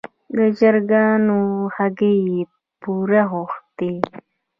د چرګانو هګۍ یې پور غوښتې.